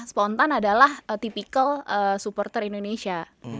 spontan adalah tipikal supporter indonesia